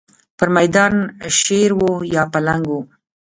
پر مېدان شېر و یا پلنګ و.